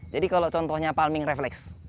jadi kalau contohnya palming refleks